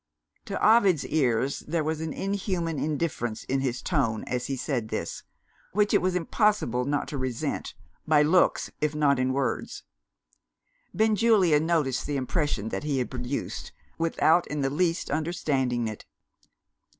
To Ovid's ears, there was an inhuman indifference in his tone as he said this, which it was impossible not to resent, by looks, if not in words. Benjulia noticed the impression that he had produced, without in the least understanding it.